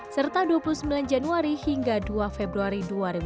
serta dua puluh sembilan januari hingga dua februari dua ribu dua puluh